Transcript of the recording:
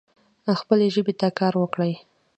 خپلي ژبي ته کار وکړئ.